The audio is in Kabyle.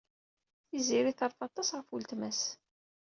Tiziri terfa aṭas ɣef weltma-s.